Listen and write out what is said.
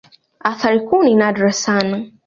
Athari kuu ni nadra sana.